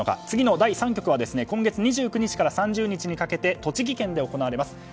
次の第３局は今月２９日から３０日にかけて栃木県で行われます。